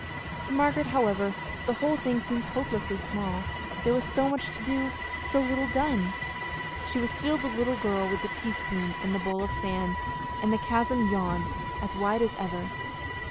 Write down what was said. To Margaret, however, the whole thing seemed hopelessly small: there was so much to do, so little done! She was still the little girl with the teaspoon and the bowl of sand; and the chasm yawned as wide as ever.